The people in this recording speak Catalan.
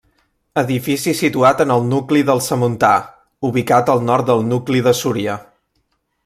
Edifici situat en el nucli del Samuntà, ubicat al nord del nucli de Súria.